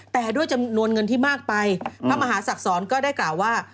แต่ด้วยจำนวนเงินที่มากไปพระมหาศักษรก็ได้กล่าวว่า